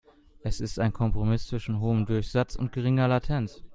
Es ist ein Kompromiss zwischen hohem Durchsatz und geringer Latenz.